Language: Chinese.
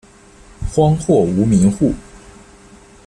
荒或无民户。